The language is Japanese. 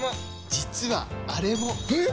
実はあれも！え！？